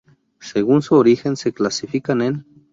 Según su origen, se clasifican en